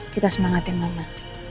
kita semangatin mama